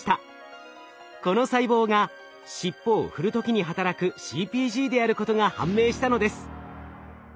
この細胞がしっぽを振る時に働くＣＰＧであることが判明したのです。